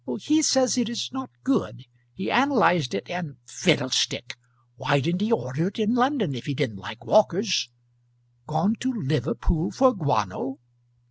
"He says it is not good. He analyzed it, and " "Fiddlestick! Why didn't he order it in London, if he didn't like Walker's. Gone to Liverpool for guano!